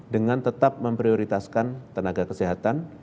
dengan tetap memprioritaskan tenaga kesehatan